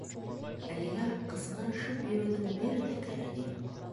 — Әлегә ҡысҡырышып йөрөүҙең бер ҙә кәрәге юҡ.